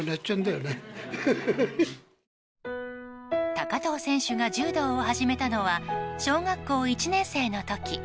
高藤選手が柔道を始めたのは小学校１年生の時。